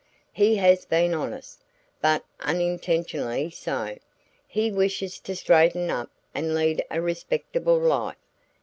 He has been dishonest, but unintentionally so. He wishes to straighten up and lead a respectable life.